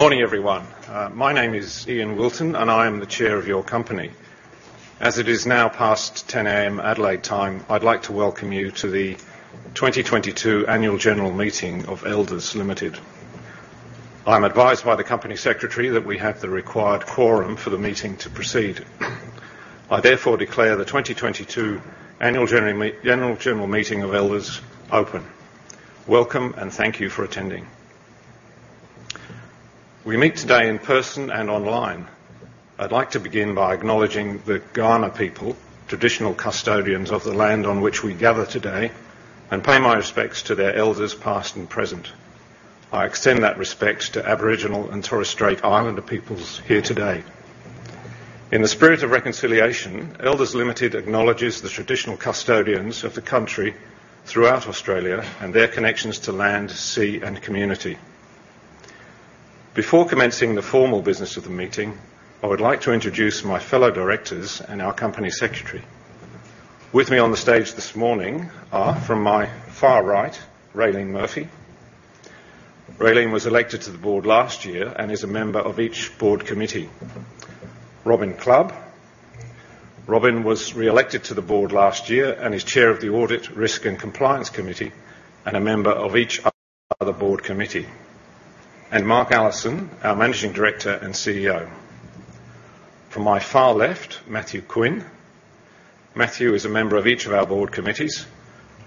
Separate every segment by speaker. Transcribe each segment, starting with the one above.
Speaker 1: Morning, everyone. My name is Ian Wilton, and I am the Chair of your company. As it is now past 10:00 A.M. Adelaide time, I'd like to welcome you to the 2022 Annual General Meeting of Elders Limited. I'm advised by the company secretary that we have the required quorum for the meeting to proceed. I therefore declare the 2022 annual general meeting of Elders open. Welcome, thank you for attending. We meet today in person and online. I'd like to begin by acknowledging the Kaurna people, traditional custodians of the land on which we gather today, and pay my respects to their elders, past and present. I extend that respect to Aboriginal and Torres Strait Islander peoples here today. In the spirit of reconciliation, Elders Limited acknowledges the traditional custodians of the country throughout Australia and their connections to land, sea, and community. Before commencing the formal business of the meeting, I would like to introduce my fellow directors and our company secretary. With me on the stage this morning are, from my far right, Raelene Murphy. Raelene was elected to the board last year and is a member of each board committee. Robyn Clubb. Robyn was reelected to the board last year and is Chair of the Audit, Risk, and Compliance Committee and a member of each other board committee. Mark Allison, our Managing Director and CEO. From my far left, Matthew Quinn. Matthew is a member of each of our board committees.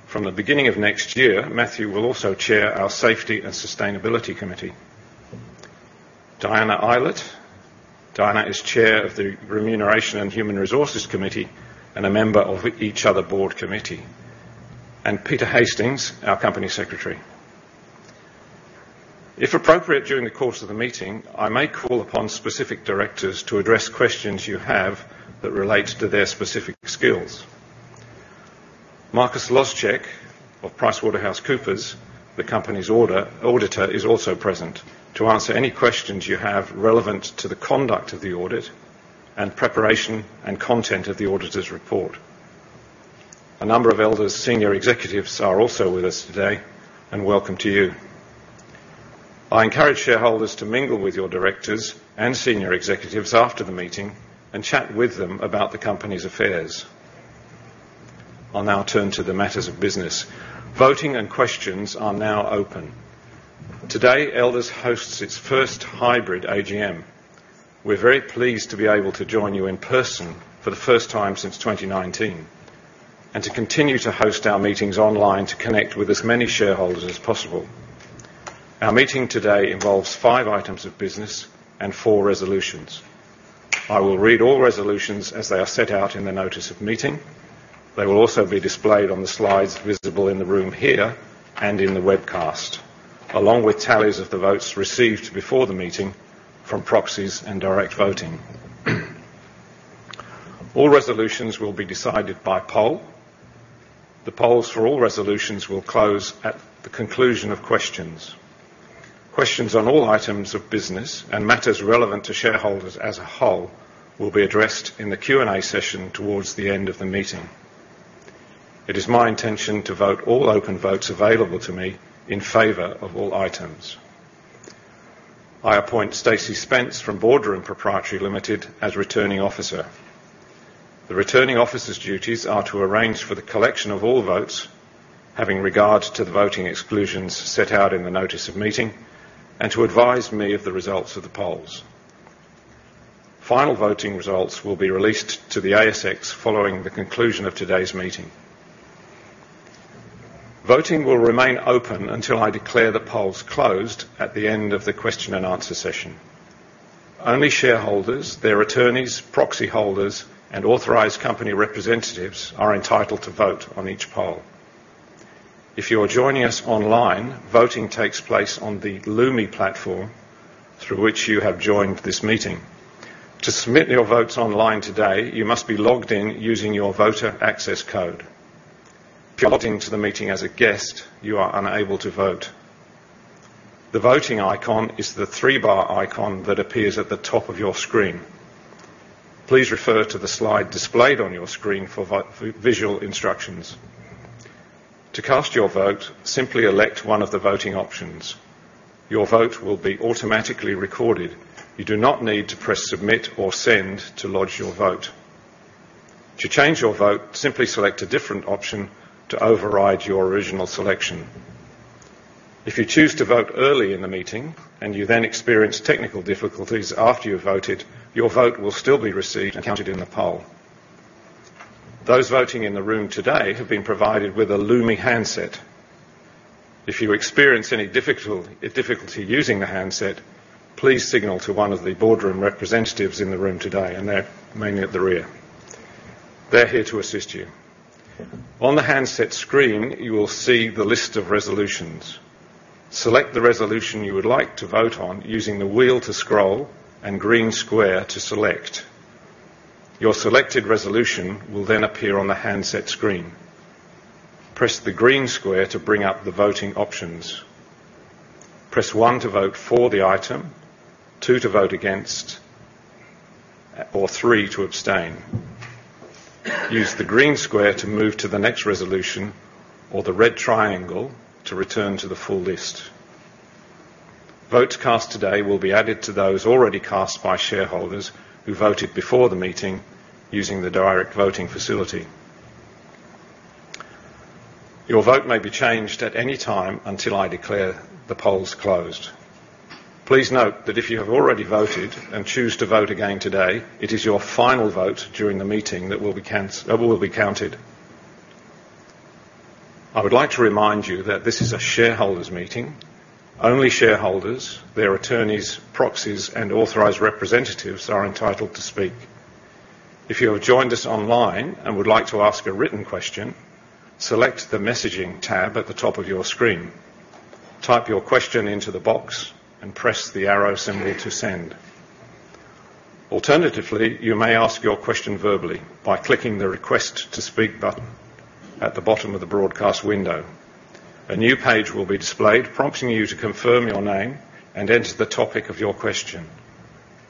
Speaker 1: From the beginning of next year, Matthew will also Chair our Safety and Sustainability Committee. Diana Eilert. Diana is Chair of the Remuneration and Human Resources Committee and a member of each other board committee. Peter Hastings, our Company Secretary. If appropriate, during the course of the meeting, I may call upon specific directors to address questions you have that relate to their specific skills. Marcus Laithwaite of PricewaterhouseCoopers, the company's auditor, is also present to answer any questions you have relevant to the conduct of the audit and preparation and content of the auditor's report. A number of Elders senior executives are also with us today. Welcome to you. I encourage shareholders to mingle with your directors and senior executives after the meeting and chat with them about the company's affairs. I'll now turn to the matters of business. Voting and questions are now open. Today, Elders host its first hybrid AGM. We're very pleased to be able to join you in person for the first time since 2019 and to continue to host our meetings online to connect with as many shareholders as possible. Our meeting today involves five items of business and four resolutions. I will read all resolutions as they are set out in the notice of meeting. They will also be displayed on the slides visible in the room here and in the webcast, along with tallies of the votes received before the meeting from proxies and direct voting. All resolutions will be decided by poll. The polls for all resolutions will close at the conclusion of questions. Questions on all items of business and matters relevant to shareholders as a whole will be addressed in the Q&A session towards the end of the meeting. It is my intention to vote all open votes available to me in favor of all items. I appoint Stacey Spence from Boardroom Pty Limited as returning officer. The returning officer's duties are to arrange for the collection of all votes, having regard to the voting exclusions set out in the notice of meeting, and to advise me of the results of the polls. Final voting results will be released to the ASX following the conclusion of today's meeting. Voting will remain open until I declare the polls closed at the end of the question and answer session. Only shareholders, their attorneys, proxyholders, and authorized company representatives are entitled to vote on each poll. If you are joining us online, voting takes place on the Lumi platform through which you have joined this meeting. To submit your votes online today, you must be logged in using your voter access code. If you're logging into the meeting as a guest, you are unable to vote. The voting icon is the three-bar icon that appears at the top of your screen. Please refer to the slide displayed on your screen for visual instructions. To cast your vote, simply elect one of the voting options. Your vote will be automatically recorded. You do not need to press Submit or Send to lodge your vote. To change your vote, simply select a different option to override your original selection. If you choose to vote early in the meeting and you then experience technical difficulties after you've voted, your vote will still be received and counted in the poll. Those voting in the room today have been provided with a Lumi handset. If you experience any difficulty using the handset, please signal to one of the Boardroom representatives in the room today, and they're mainly at the rear. They're here to assist you. On the handset screen, you will see the list of resolutions. Select the resolution you would like to vote on using the wheel to scroll and green square to select. Your selected resolution will appear on the handset screen. Press the green square to bring up the voting options. Press one to vote for the item, two to vote against or three to abstain. Use the green square to move to the next resolution or the red triangle to return to the full list. Votes cast today will be added to those already cast by shareholders who voted before the meeting using the direct voting facility. Your vote may be changed at any time until I declare the polls closed. Please note that if you have already voted and choose to vote again today, it is your final vote during the meeting that will be counted. I would like to remind you that this is a shareholders' meeting. Only shareholders, their attorneys, proxies, and authorized representatives are entitled to speak. If you have joined us online and would like to ask a written question, select the Messaging tab at the top of your screen. Type your question into the box and press the arrow symbol to send. Alternatively, you may ask your question verbally by clicking the Request to Speak button at the bottom of the broadcast window. A new page will be displayed, prompting you to confirm your name and enter the topic of your question.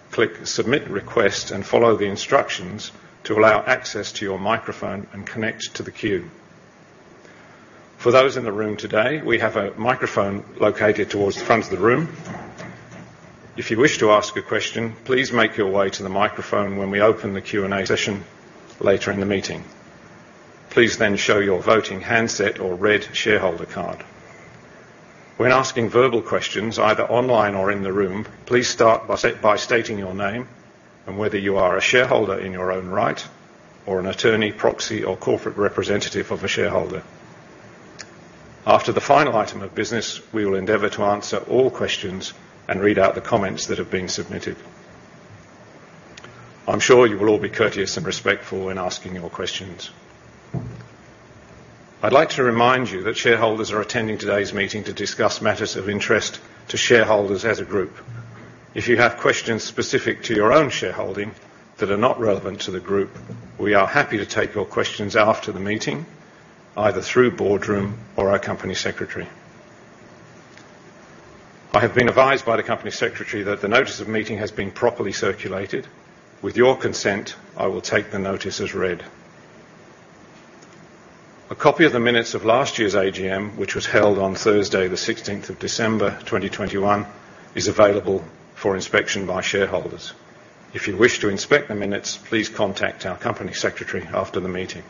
Speaker 1: Click Submit Request and follow the instructions to allow access to your microphone and connect to the queue. For those in the room today, we have a microphone located towards the front of the room. If you wish to ask a question, please make your way to the microphone when we open the Q&A session later in the meeting. Please then show your voting handset or red shareholder card. When asking verbal questions, either online or in the room, please start by stating your name and whether you are a shareholder in your own right or an attorney, proxy, or corporate representative of a shareholder. After the final item of business, we will endeavor to answer all questions and read out the comments that have been submitted. I'm sure you will all be courteous and respectful when asking your questions. I'd like to remind you that shareholders are attending today's meeting to discuss matters of interest to shareholders as a group. If you have questions specific to your own shareholding that are not relevant to the group, we are happy to take your questions after the meeting, either through Boardroom or our Company Secretary. I have been advised by the Company Secretary that the notice of meeting has been properly circulated. With your consent, I will take the notice as read. A copy of the minutes of last year's AGM, which was held on Thursday of the 16th December, 2021, is available for inspection by shareholders. If you wish to inspect the minutes, please contact our Company Secretary after the meeting.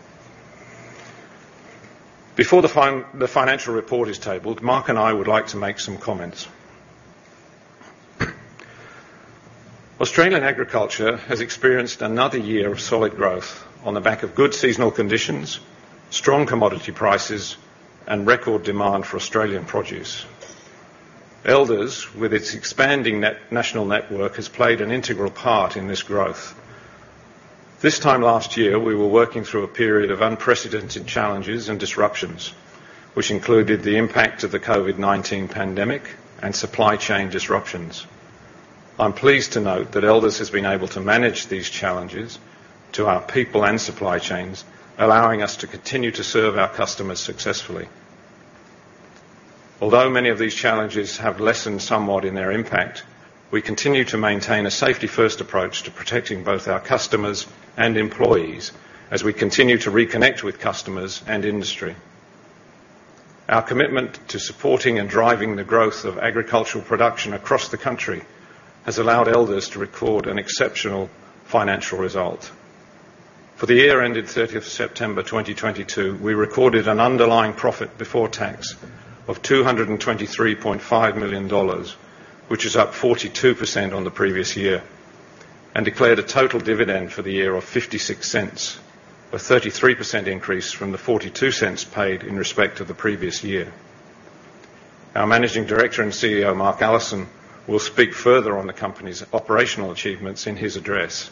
Speaker 1: Before the financial report is tabled, Mark and I would like to make some comments. Australian agriculture has experienced another year of solid growth on the back of good seasonal conditions, strong commodity prices, and record demand for Australian produce. Elders, with its expanding national network, has played an integral part in this growth. This time last year, we were working through a period of unprecedented challenges and disruptions, which included the impact of the COVID-19 pandemic and supply chain disruptions. I'm pleased to note that Elders has been able to manage these challenges to our people and supply chains, allowing us to continue to serve our customers successfully. Although many of these challenges have lessened somewhat in their impact, we continue to maintain a safety-first approach to protecting both our customers and employees as we continue to reconnect with customers and industry. Our commitment to supporting and driving the growth of agricultural production across the country has allowed Elders to record an exceptional financial result. For the year ended 30th September 2022, we recorded an underlying profit before tax of $223.5 million, which is up 42% on the previous year, declared a total dividend for the year of 0.56, a 33% increase from the 0.42 paid in respect to the previous year. Our Managing Director and CEO, Mark Allison, will speak further on the company's operational achievements in his address.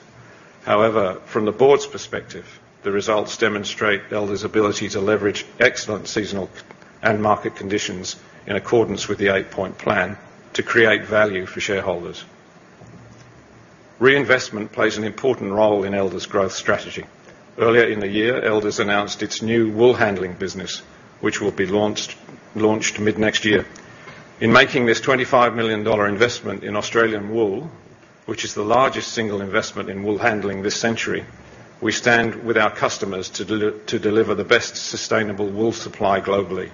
Speaker 1: However, from the board's perspective, the results demonstrate Elders' ability to leverage excellent seasonal and market conditions in accordance with the Eight Point Plan to create value for shareholders. Reinvestment plays an important role in Elders' growth strategy. Earlier in the year, Elders announced its new wool handling business, which will be launched mid-next year. In making this $25 million investment in Australian wool, which is the largest single investment in wool handling this century, we stand with our customers to deliver the best sustainable wool supply globally.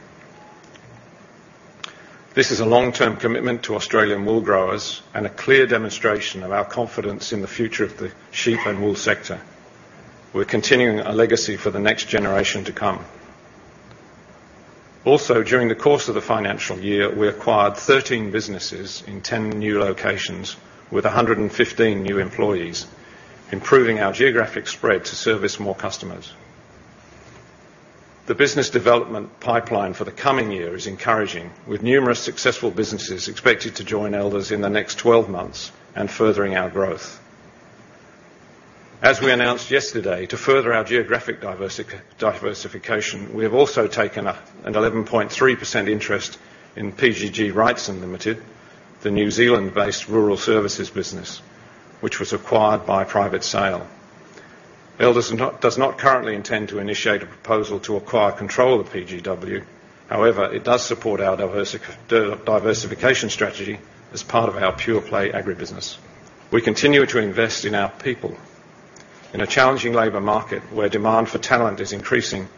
Speaker 1: This is a long-term commitment to Australian wool growers and a clear demonstration of our confidence in the future of the sheep and wool sector. We're continuing a legacy for the next generation to come. During the course of the financial year, we acquired 13 businesses in 10 new locations with 115 new employees, improving our geographic spread to service more customers. The business development pipeline for the coming year is encouraging, with numerous successful businesses expected to join Elders in the next 12 months and furthering our growth. As we announced yesterday, to further our geographic diversification, we have also taken an 11.3% interest in PGG Wrightson Limited, the New Zealand-based rural services business, which was acquired by private sale. Elders does not currently intend to initiate a proposal to acquire control of PGW. It does support our diversification strategy as part of our pure-play agribusiness. We continue to invest in our people. In a challenging labor market, where demand for talent is increasing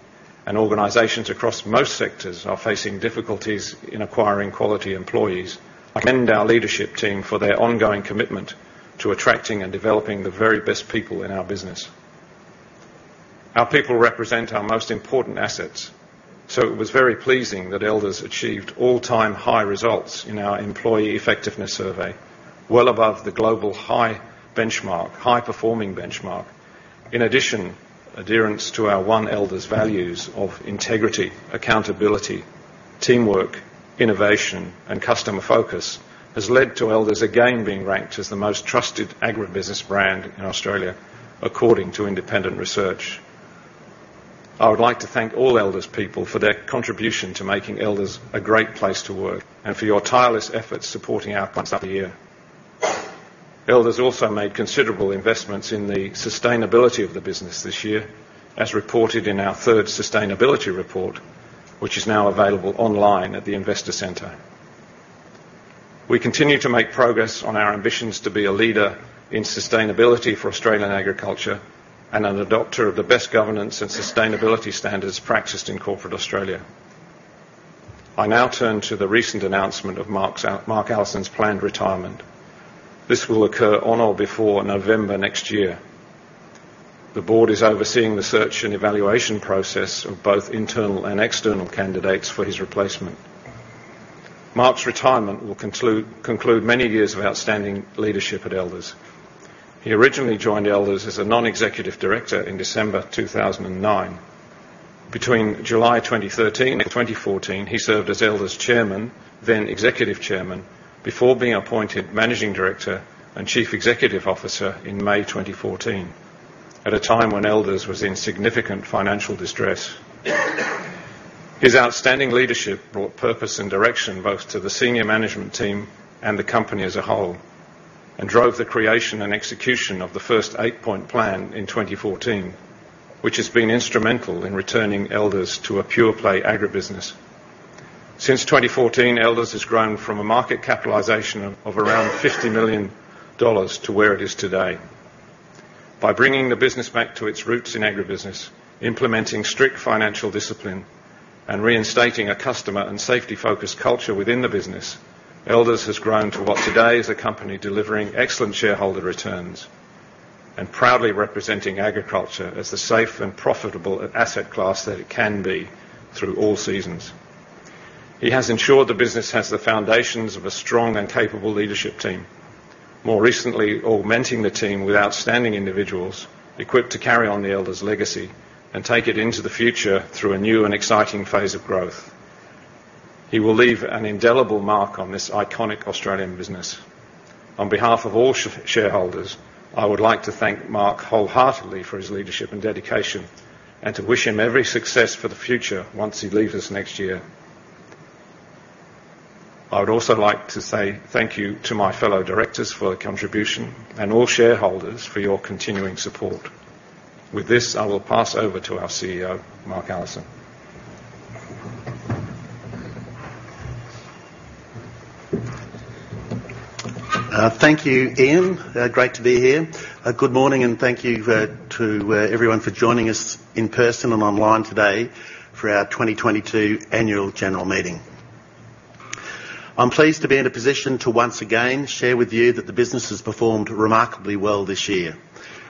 Speaker 1: and organizations across most sectors are facing difficulties in acquiring quality employees, I commend our leadership team for their ongoing commitment to attracting and developing the very best people in our business. Our people represent our most important assets. It was very pleasing that Elders achieved all-time high results in our employee effectiveness survey, well above the global high benchmark, high performing benchmark. In addition, adherence to our One Elders values of integrity, accountability, teamwork, innovation, and customer focus has led to Elders again being ranked as the most trusted agribusiness brand in Australia according to independent research. I would like to thank all Elders people for their contribution to making Elders a great place to work and for your tireless efforts supporting our year. Elders also made considerable investments in the sustainability of the business this year, as reported in our third sustainability report, which is now available online at the Investor Centre. We continue to make progress on our ambitions to be a leader in sustainability for Australian agriculture and an adopter of the best governance and sustainability standards practiced in corporate Australia. I now turn to the recent announcement of Mark Allison's planned retirement. This will occur on or before November next year. The board is overseeing the search and evaluation process of both internal and external candidates for his replacement. Mark's retirement will conclude many years of outstanding leadership at Elders. He originally joined Elders as a non-executive director in December 2009. Between July 2013 and 2014, he served as Elders Chairman, then Executive Chairman, before being appointed Managing Director and Chief Executive Officer in May 2014, at a time when Elders was in significant financial distress. His outstanding leadership brought purpose and direction both to the senior management team and the company as a whole, and drove the creation and execution of the first Eight Point Plan in 2014, which has been instrumental in returning Elders to a pure-play agribusiness. Since 2014, Elders has grown from a market capitalization of around 50 million dollars to where it is today. By bringing the business back to its roots in agribusiness, implementing strict financial discipline, and reinstating a customer and safety-focused culture within the business, Elders has grown to what today is a company delivering excellent shareholder returns and proudly representing agriculture as the safe and profitable asset class that it can be through all seasons. He has ensured the business has the foundations of a strong and capable leadership team, more recently augmenting the team with outstanding individuals equipped to carry on the Elders legacy and take it into the future through a new and exciting phase of growth. He will leave an indelible mark on this iconic Australian business. On behalf of all shareholders, I would like to thank Mark wholeheartedly for his leadership and dedication, and to wish him every success for the future once he leaves us next year. I would also like to say thank you to my fellow directors for their contribution and all shareholders for your continuing support. With this, I will pass over to our CEO, Mark Allison.
Speaker 2: Thank you, Ian. Great to be here. Good morning, thank you to everyone for joining us in person and online today for our 2022 annual general meeting. I'm pleased to be in a position to once again share with you that the business has performed remarkably well this year,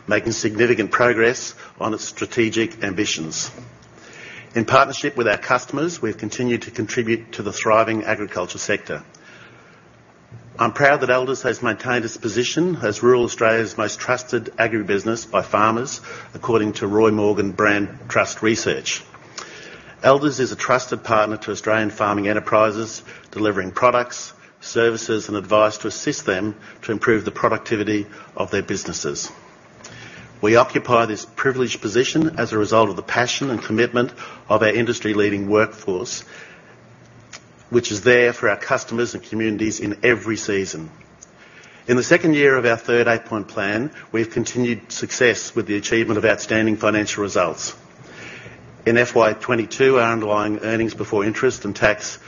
Speaker 2: making significant progress on its strategic ambitions. In partnership with our customers, we've continued to contribute to the thriving agriculture sector. I'm proud that Elders has maintained its position as rural Australia's most trusted agribusiness by farmers, according to Roy Morgan Brand Trust Research. Elders is a trusted partner to Australian farming enterprises, delivering products, services, and advice to assist them to improve the productivity of their businesses. We occupy this privileged position as a result of the passion and commitment of our industry-leading workforce, which is there for our customers and communities in every season. In the second year of our third Eight Point Plan, we've continued success with the achievement of outstanding financial results. In FY 2022, our underlying earnings before interest and tax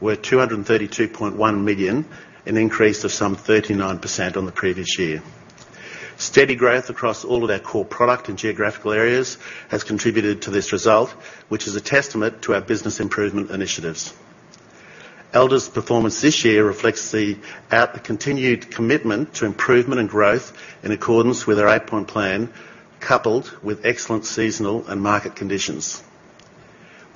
Speaker 2: were 232.1 million, an increase of some 39% on the previous year. Steady growth across all of our core product and geographical areas has contributed to this result, which is a testament to our business improvement initiatives. Elders' performance this year reflects our continued commitment to improvement and growth in accordance with our Eight Point Plan, coupled with excellent seasonal and market conditions.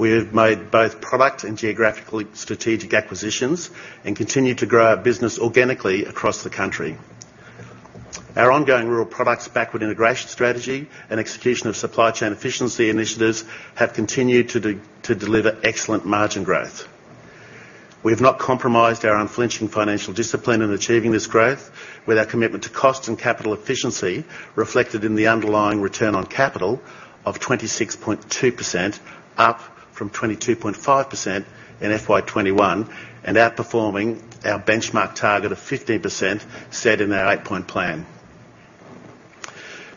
Speaker 2: We have made both product and geographical strategic acquisitions and continue to grow our business organically across the country. Our ongoing rural products backward integration strategy and execution of supply chain efficiency initiatives have continued to deliver excellent margin growth. We have not compromised our unflinching financial discipline in achieving this growth with our commitment to cost and capital efficiency reflected in the underlying return on capital of 26.2%, up from 22.5% in FY 2021 and outperforming our benchmark target of 15% set in our Eight-Point Plan.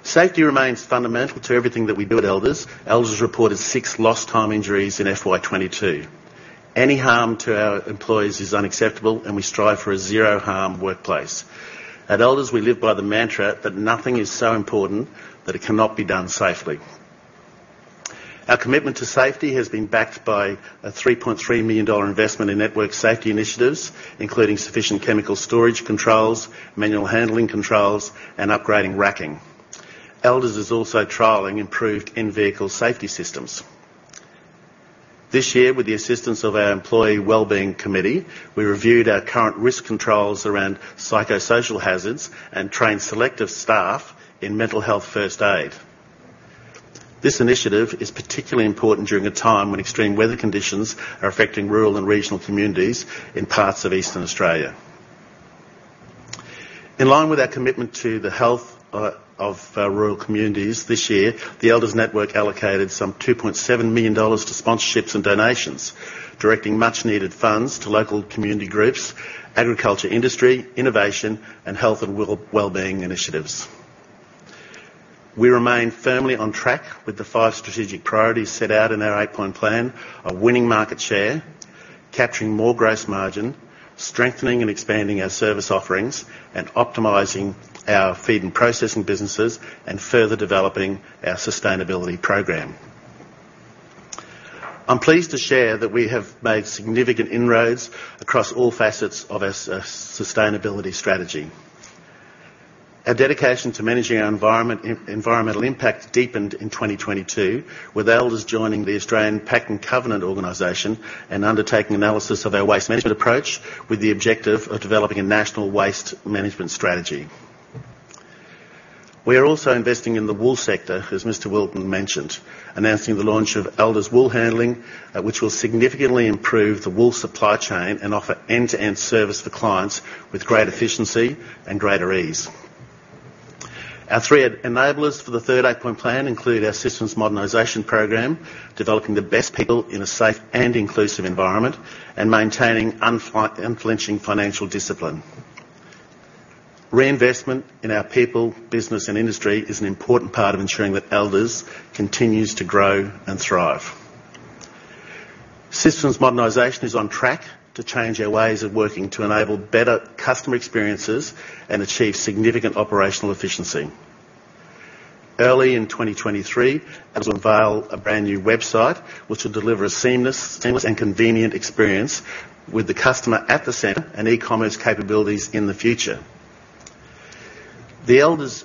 Speaker 2: Safety remains fundamental to everything that we do at Elders. Elders reported six lost time injuries in FY 2022. Any harm to our employees is unacceptable, and we strive for a zero-harm workplace. At Elders, we live by the mantra that nothing is so important that it cannot be done safely. Our commitment to safety has been backed by a $3.3 million investment in network safety initiatives, including sufficient chemical storage controls, manual handling controls and upgrading racking. Elders is also trialing improved in-vehicle safety systems. This year, with the assistance of our employee wellbeing committee, we reviewed our current risk controls around psychosocial hazards and trained selective staff in mental health first aid. This initiative is particularly important during a time when extreme weather conditions are affecting rural and regional communities in parts of Eastern Australia. In line with our commitment to the health of our rural communities, this year, the Elders network allocated some $2.7 million to sponsorships and donations, directing much needed funds to local community groups, agriculture industry, innovation and health and wellbeing initiatives. We remain firmly on track with the five strategic priorities set out in our Eight Point Plan of winning market share, capturing more gross margin, strengthening and expanding our service offerings and optimizing our feed and processing businesses, and further developing our sustainability program. I'm pleased to share that we have made significant inroads across all facets of our sustainability strategy. Our dedication to managing our environment, environmental impact deepened in 2022, with Elders joining the Australian Packaging Covenant Organisation and undertaking analysis of our waste management approach with the objective of developing a national waste management strategy. We are also investing in the wool sector, as Mr. Wilton mentioned, announcing the launch of Elders Wool Handling, which will significantly improve the wool supply chain and offer end-to-end service for clients with great efficiency and greater ease. Our three enablers for the third Eight Point Plan include our systems modernization program, developing the best people in a safe and inclusive environment, and maintaining unflinching financial discipline. Reinvestment in our people, business and industry is an important part of ensuring that Elders continues to grow and thrive. Systems modernization is on track to change our ways of working to enable better customer experiences and achieve significant operational efficiency. Early in 2023, Elders will unveil a brand new website which will deliver a seamless and convenient experience with the customer at the center and e-commerce capabilities in the future. The Elders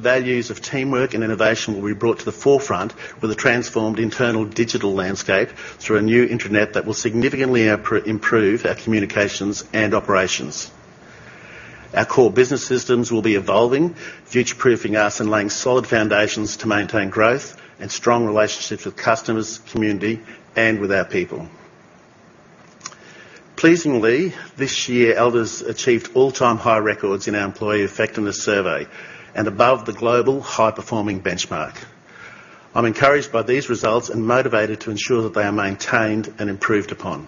Speaker 2: values of teamwork and innovation will be brought to the forefront with a transformed internal digital landscape through a new intranet that will significantly improve our communications and operations. Our core business systems will be evolving, future-proofing us, and laying solid foundations to maintain growth and strong relationships with customers, community and with our people. Pleasingly, this year, Elders achieved all-time high records in our employee effectiveness survey and above the global high-performing benchmark. I'm encouraged by these results and motivated to ensure that they are maintained and improved upon.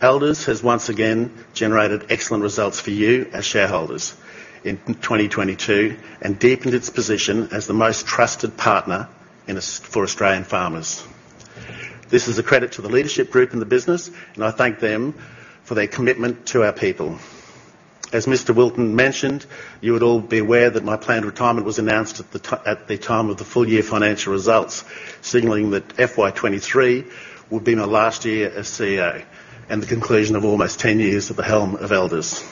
Speaker 2: Elders has once again generated excellent results for you as shareholders in 2022 and deepened its position as the most trusted partner for Australian farmers. This is a credit to the leadership group in the business, and I thank them for their commitment to our people. As Mr. Wilton mentioned, you would all be aware that my planned retirement was announced at the time of the full year financial results, signaling that FY 2023 would be my last year as CEO and the conclusion of almost 10 years at the helm of Elders.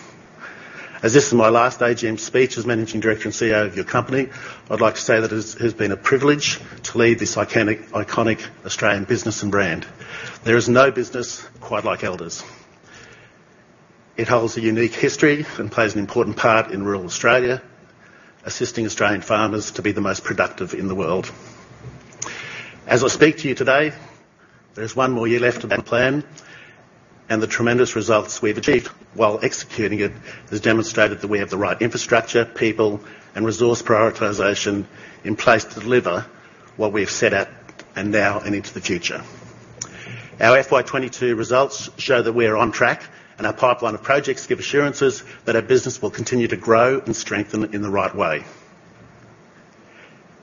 Speaker 2: As this is my last AGM speech as Managing Director and CEO of your company, I'd like to say that it has been a privilege to lead this iconic Australian business and brand. There is no business quite like Elders. It holds a unique history and plays an important part in rural Australia, assisting Australian farmers to be the most productive in the world. As I speak to you today, there's one more year left of that plan, and the tremendous results we've achieved while executing it has demonstrated that we have the right infrastructure, people and resource prioritization in place to deliver what we have set out and now and into the future. Our FY 2022 results show that we are on track, and our pipeline of projects give assurances that our business will continue to grow and strengthen in the right way.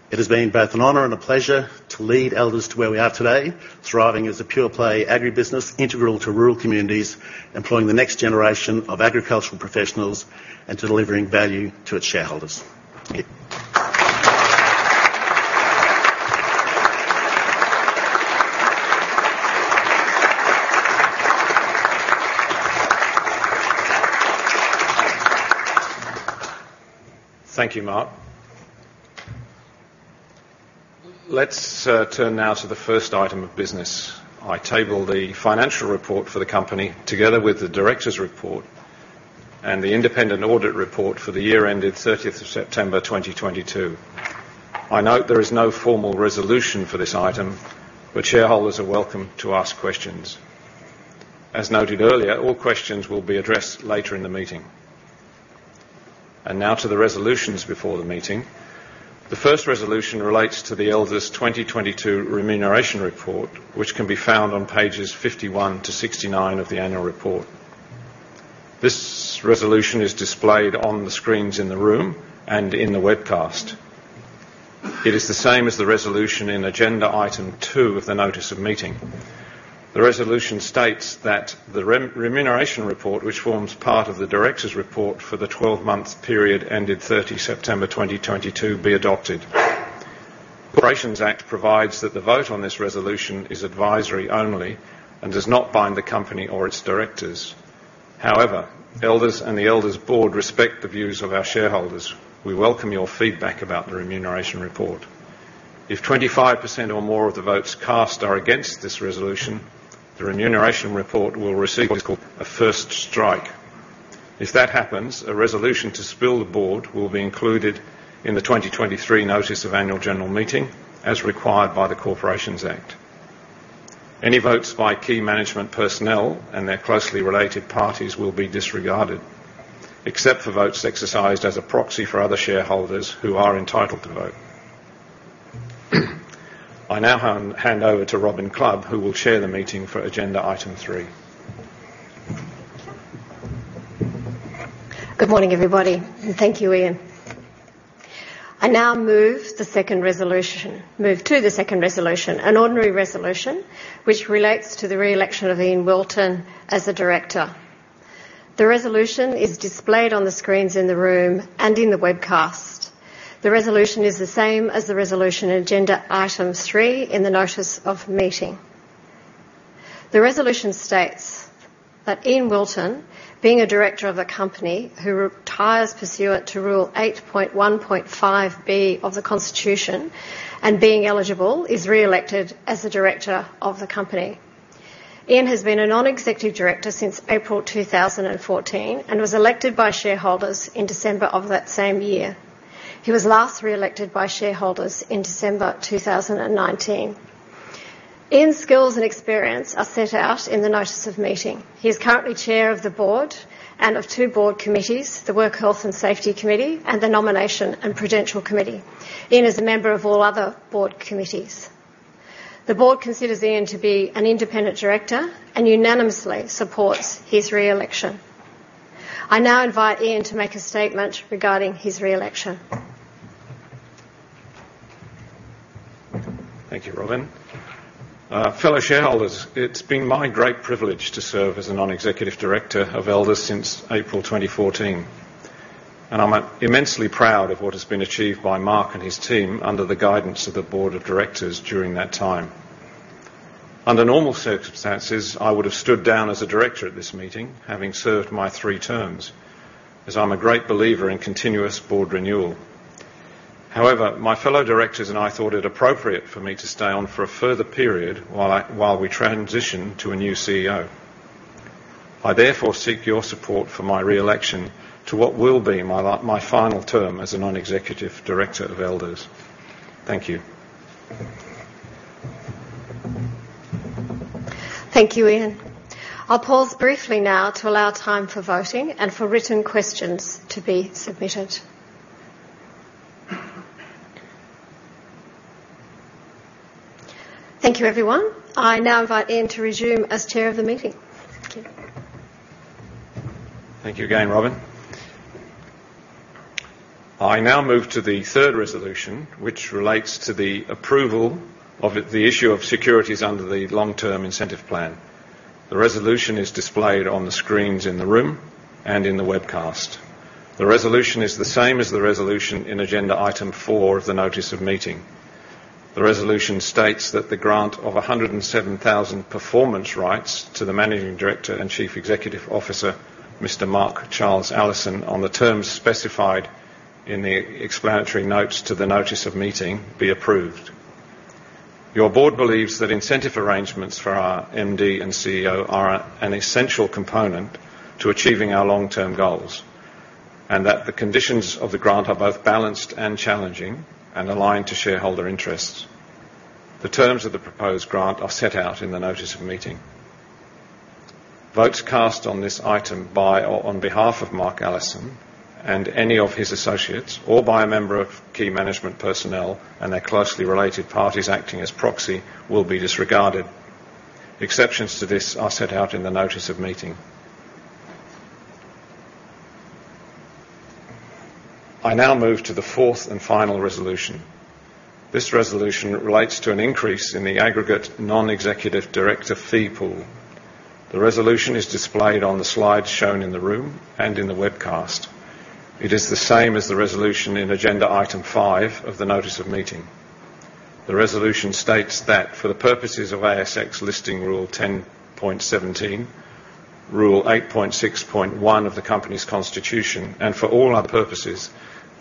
Speaker 2: It has been both an honor and a pleasure to lead Elders to where we are today, thriving as a pure play agribusiness integral to rural communities, employing the next generation of agricultural professionals and to delivering value to its shareholders. Thank you.
Speaker 1: Thank you, Mark. Let's turn now to the first item of business. I table the financial report for the company, together with the director's report and the independent audit report for the year ended thirtieth of September 2022. I note there is no formal resolution for this item. Shareholders are welcome to ask questions. As noted earlier, all questions will be addressed later in the meeting. Now to the resolutions before the meeting. The first resolution relates to the Elders' 2022 Remuneration Report, which can be found on pages 51 to 69 of the annual report. This resolution is displayed on the screens in the room and in the webcast. It is the same as the resolution in agenda item two of the notice of meeting. The resolution states that the Remuneration Report, which forms part of the Directors' Report for the 12-month period ended 30 September 2022, be adopted. Corporations Act provides that the vote on this resolution is advisory only and does not bind the company or its directors. Elders and the Elders board respect the views of our shareholders. We welcome your feedback about the Remuneration Report. If 25% or more of the votes cast are against this resolution, the Remuneration Report will receive what is called a first strike. If that happens, a resolution to spill the board will be included in the 2023 Notice of Annual General Meeting, as required by the Corporations Act. Any votes by key management personnel and their closely related parties will be disregarded, except for votes exercised as a proxy for other shareholders who are entitled to vote. I now hand over to Robyn Clubb, who will chair the meeting for agenda item three.
Speaker 3: Good morning, everybody, and thank you, Ian. I now move to the second resolution, an ordinary resolution which relates to the re-election of Ian Wilton as a director. The resolution is displayed on the screens in the room and in the webcast. The resolution is the same as the resolution in agenda item three in the notice of meeting. The resolution states that Ian Wilton, being a director of a company who retires pursuant to rule 8.1.5B of the Constitution and being eligible, is re-elected as a director of the company. Ian has been a non-executive director since April 2014 and was elected by shareholders in December of that same year. He was last re-elected by shareholders in December 2019. Ian's skills and experience are set out in the notice of meeting. He is currently chair of the board and of two board committees, the Work Health and Safety Committee and the Nomination and Remuneration Committee. Ian is a member of all other board committees. The board considers Ian to be an independent director and unanimously supports his re-election. I now invite Ian to make a statement regarding his re-election.
Speaker 1: Thank you, Robyn. Fellow shareholders, it's been my great privilege to serve as a non-executive director of Elders since April 2014, and I'm immensely proud of what has been achieved by Mark and his team under the guidance of the board of directors during that time. Under normal circumstances, I would have stood down as a director at this meeting, having served my three terms, as I'm a great believer in continuous board renewal. My fellow directors and I thought it appropriate for me to stay on for a further period while we transition to a new CEO. I therefore seek your support for my re-election to what will be my final term as a non-executive director of Elders. Thank you.
Speaker 3: Thank you, Ian. I'll pause briefly now to allow time for voting and for written questions to be submitted. Thank you, everyone. I now invite Ian to resume as chair of the meeting. Thank you.
Speaker 1: Thank you again, Robyn. I now move to the third resolution, which relates to the approval of the issue of securities under the Long-Term Incentive Plan. The resolution is displayed on the screens in the room and in the webcast. The resolution is the same as the resolution in agenda item four of the notice of meeting. The resolution states that the grant of 107,000 performance rights to the Managing Director and Chief Executive Officer, Mr. Mark Charles Allison, on the terms specified in the explanatory notes to the notice of meeting, be approved. Your Board believes that incentive arrangements for our MD and CEO are an essential component to achieving our long-term goals, and that the conditions of the grant are both balanced and challenging and aligned to shareholder interests. The terms of the proposed grant are set out in the notice of meeting. Votes cast on this item by or on behalf of Mark Allison and any of his associates, or by a member of key management personnel and their closely related parties acting as proxy, will be disregarded. Exceptions to this are set out in the notice of meeting. I now move to the fourth and final resolution. This resolution relates to an increase in the aggregate non-executive director fee pool. The resolution is displayed on the slides shown in the room and in the webcast. It is the same as the resolution in agenda item 5 of the notice of meeting. The resolution states that for the purposes of ASX Listing Rule 10.17, rule 8.6.1 of the company's constitution, and for all other purposes,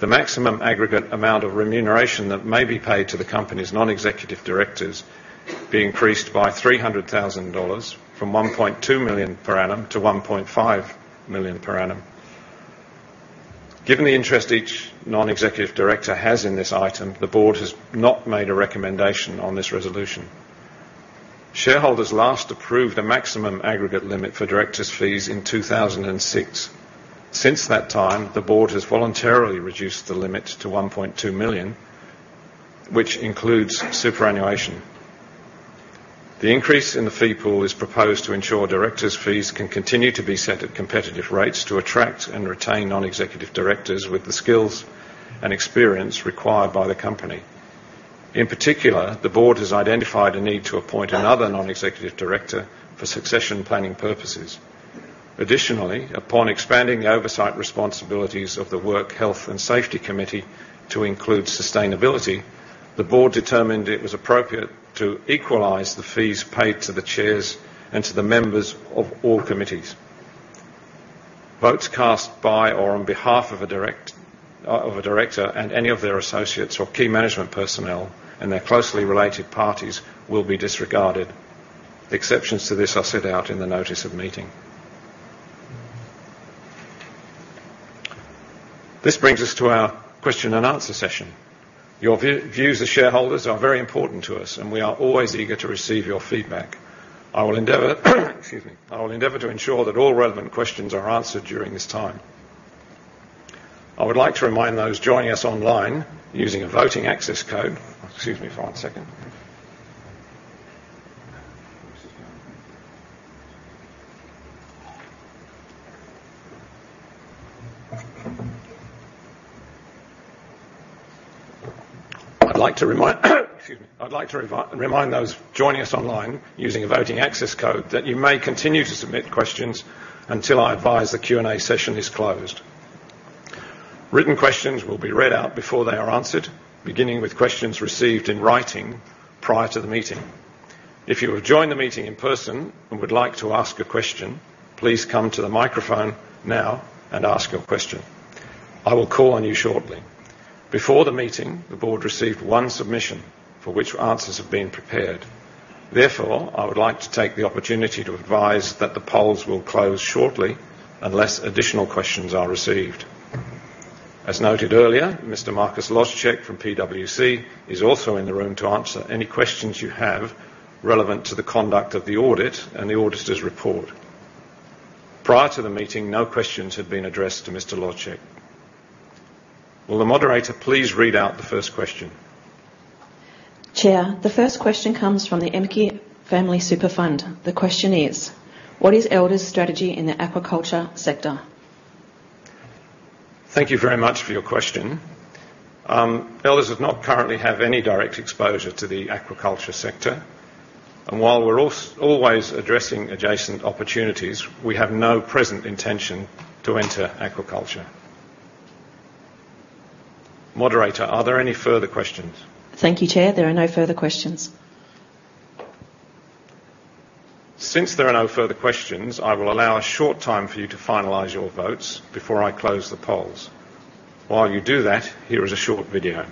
Speaker 1: the maximum aggregate amount of remuneration that may be paid to the company's non-executive directors be increased by 300,000 dollars from 1.2 million per annum to 1.5 million per annum. Given the interest each non-executive director has in this item, the board has not made a recommendation on this resolution. Shareholders last approved a maximum aggregate limit for directors' fees in 2006. Since that time, the board has voluntarily reduced the limit to 1.2 million, which includes superannuation. The increase in the fee pool is proposed to ensure directors' fees can continue to be set at competitive rates to attract and retain non-executive directors with the skills and experience required by the company. In particular, the board has identified a need to appoint another non-executive director for succession planning purposes. Additionally, upon expanding the oversight responsibilities of the Work Health and Safety Committee to include sustainability, the board determined it was appropriate to equalize the fees paid to the chairs and to the members of all committees. Votes cast by or on behalf of a director and any of their associates or key management personnel and their closely related parties will be disregarded. The exceptions to this are set out in the notice of meeting. This brings us to our question and answer session. Your views as shareholders are very important to us, and we are always eager to receive your feedback. I will endeavor Excuse me. I will endeavor to ensure that all relevant questions are answered during this time. I would like to remind those joining us online using a voting access code. Excuse me for one second. I'd like to remind excuse me. I'd like to remind those joining us online using a voting access code that you may continue to submit questions until I advise the Q&A session is closed. Written questions will be read out before they are answered, beginning with questions received in writing prior to the meeting. If you have joined the meeting in person and would like to ask a question, please come to the microphone now and ask your question. I will call on you shortly. Before the meeting, the board received one submission for which answers have been prepared. I would like to take the opportunity to advise that the polls will close shortly unless additional questions are received. Noted earlier, Mr. Marcus Laithwaite from PwC is also in the room to answer any questions you have relevant to the conduct of the audit and the auditor's report. Prior to the meeting, no questions have been addressed to Mr. Laithwaite. Will the moderator please read out the first question?
Speaker 4: Chair, the first question comes from the MKI Family Super Fund. The question is: What is Elders' strategy in the aquaculture sector?
Speaker 1: Thank you very much for your question. Elders does not currently have any direct exposure to the aquaculture sector, and while we're always addressing adjacent opportunities, we have no present intention to enter aquaculture. Moderator, are there any further questions?
Speaker 4: Thank you, Chair. There are no further questions.
Speaker 1: Since there are no further questions, I will allow a short time for you to finalize your votes before I close the polls. While you do that, here is a short video.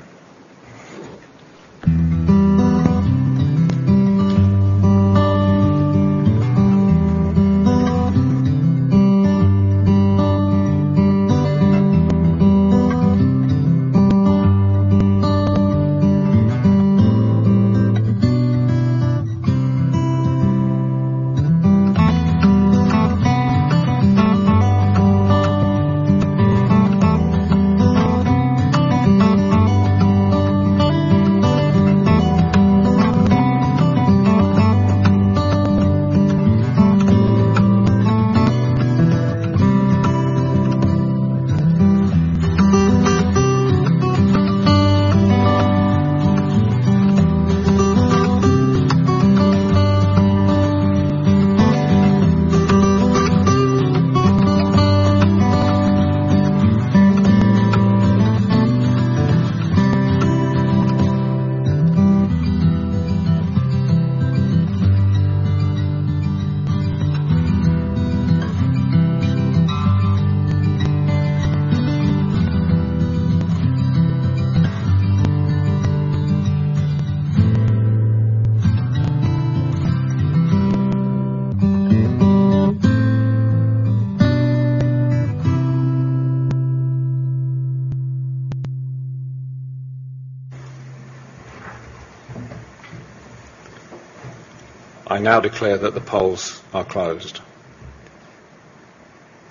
Speaker 1: I now declare that the polls are closed.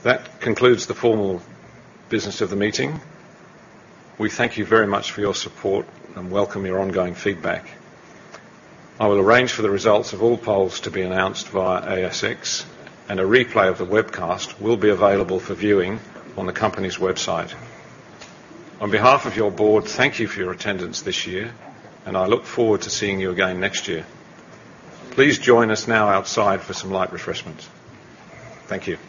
Speaker 1: That concludes the formal business of the meeting. We thank you very much for your support and welcome your ongoing feedback. I will arrange for the results of all polls to be announced via ASX. A replay of the webcast will be available for viewing on the company's website. On behalf of your board, thank you for your attendance this year. I look forward to seeing you again next year. Please join us now outside for some light refreshments. Thank you.